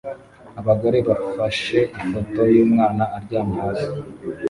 Abagore bafashe ifoto y'umwana aryamye hasi